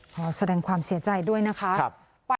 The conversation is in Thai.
ขอแสดงความเสียใจด้วยนะคะ